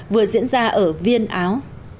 vừa diễn ra ở viên áo